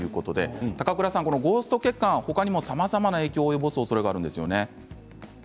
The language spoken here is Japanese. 高倉さん、ゴースト血管は他にも、さまざまな影響を及ぼすおそれがあるんですよね。